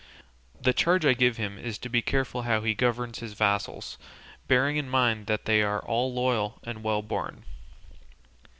The charge I give him is to be careful how he governs his vassals, bearing in mind that they are all loyal and well born."